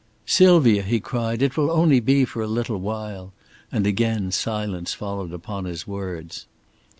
"Sylvia," he cried, "it will only be for a little while"; and again silence followed upon his words.